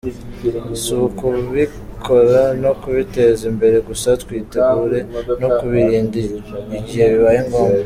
Si ukubikora no kubiteza imbere gusa, twitegure no kubirinda igihe bibaye ngombwa.”